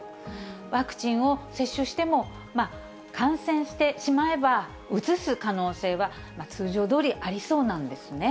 ワクチンを接種しても、感染してしまえば、うつす可能性は通常どおりありそうなんですね。